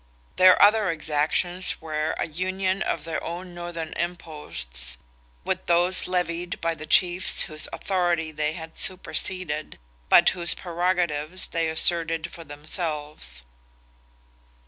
Their other exactions were a union of their own northern imposts, with those levied by the chiefs whose authority they had superseded, but whose prerogatives they asserted for themselves.